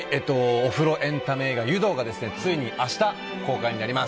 お風呂エンタメ映画「湯道」がついに明日、公開になります。